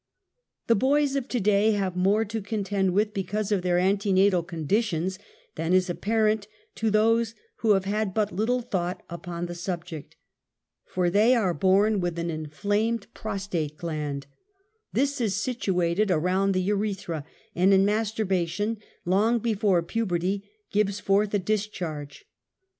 The boys of to day have more to contend with because of their antenatal condition than is apparent to those who have had but little thought upon the subject, for they are born with an inflamed prostate gland: this is situated around the urethra and in masturbation, (long before puberty,) gives forth a discharge.